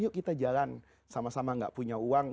yuk kita jalan sama sama gak punya uang